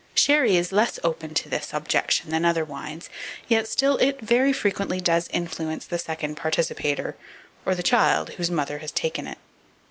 Sherry is less open to this objection than other wines, yet still it very frequently does influence the second participator, or the child whose mother has taken it.